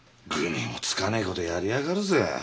愚にもつかねえことやりやがるぜ。